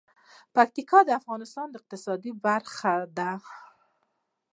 پکتیا د افغانستان د اقتصاد برخه ده.